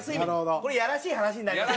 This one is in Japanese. これいやらしい話になります。